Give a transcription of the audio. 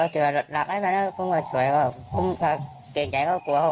ถ้าเก่งใจก็ควรมากกว่า